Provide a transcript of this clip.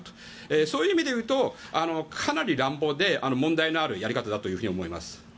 そういう意味で言うとかなり乱暴で問題のあるやり方だと思います。